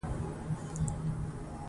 بیا یې له نصیر الله بابر سره مخامخ کړم